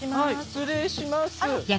失礼します。